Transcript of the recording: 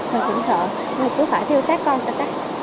mình cũng sợ nhưng cứ phải theo sát con ta chắc